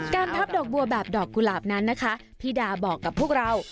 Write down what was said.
พับดอกบัวแบบดอกกุหลาบนั้นนะคะพี่ดาบอกกับพวกเรา